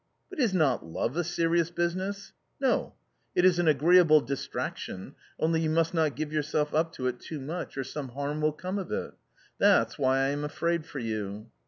" But is not love a serious business ?"" No ; it is an agreeable distraction, only you must not give yourself up to it too much, or some harm will come of it. That's why I am afraid for you."